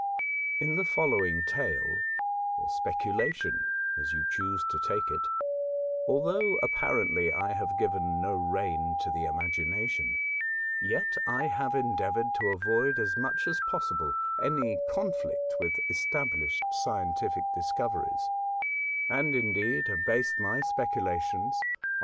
In the following tale or speculation (as you choose to take it), although apparently I have given no rein to the imagination, yet I have endeavoured to avoid as much as possible any conflict with established scientific discoveries ; and, indeed, have based my speculations on the * Young.